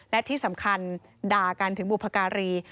และที่สำคัญด่ากันถึงบุพการี